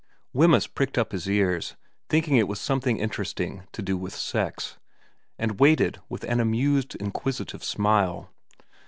Wemyss pricked up his ears, thinking it was some thing interesting to do with sex, and waited with an amused, inquisitive smile.